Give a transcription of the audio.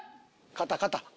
肩肩！